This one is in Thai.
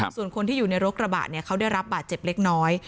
ส่วนคนที่อยู่ในรถกระบะเขาได้รับบาดเจ็บเล็กน้อย